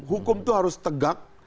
hukum itu harus tegak